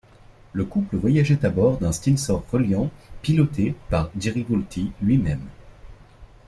Le couple voyageait à bord d’un Stinson Reliant piloté par Jerry Vultee lui-même.